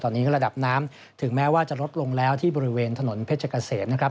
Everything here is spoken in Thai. ตอนนี้ระดับน้ำถึงแม้ว่าจะลดลงแล้วที่บริเวณถนนเพชรเกษมนะครับ